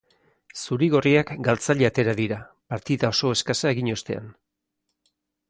Zuri-gorriak galtzaile atera dira, partida oso eskasa egin ostean.